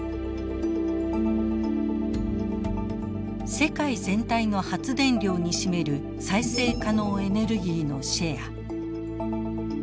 世界全体の発電量に占める再生可能エネルギーのシェア。